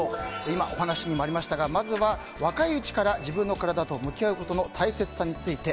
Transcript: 今、お話にもありましたがまずは若いうちから自分の体と向き合うことの大切さについて。